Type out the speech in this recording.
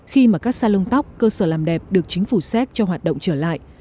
khi mà cắt sạch lông tóc cơ sở làm đẹp được chính phủ séc cho hoạt động trở lại